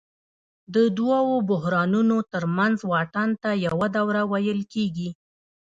د دوو بحرانونو ترمنځ واټن ته یوه دوره ویل کېږي